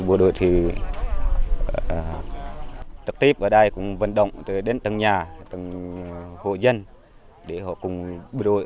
bộ đội thì tập tiếp ở đây cũng vận động đến tầng nhà tầng hộ dân để họ cùng bộ đội